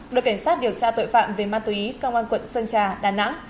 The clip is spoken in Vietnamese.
đội cảnh sát điều tra tội phạm về ma túy công an quận sơn trà đà nẵng